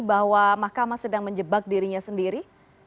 bahwa mahkamah sedang menjebak dirinya sendiri